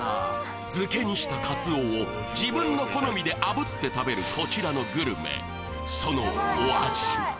漬けにしたカツオを自分の好みで炙って食べるこちらのグルメそのお味は？